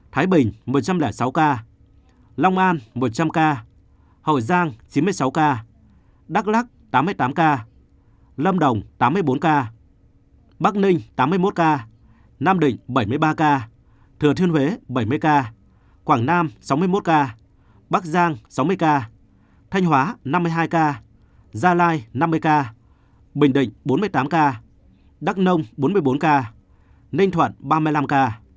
thái bình một trăm linh sáu ca long an một trăm linh ca hồ giang chín mươi sáu ca đắk lắc tám mươi tám ca lâm đồng tám mươi bốn ca bắc ninh tám mươi một ca nam định bảy mươi ba ca thừa thiên huế bảy mươi ca quảng nam sáu mươi một ca bắc giang sáu mươi ca thanh hóa năm mươi hai ca gia lai năm mươi ca bình định bốn mươi tám ca đắk nông bốn mươi bốn ca ninh thuận ba mươi năm ca